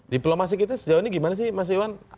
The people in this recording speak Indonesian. diplomasi kita sejauh ini gimana sih mas iwan